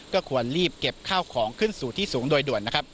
ก็ควรรีบเก็บข้าวของขึ้นสู่ที่สูงโดยด่วนนะครับ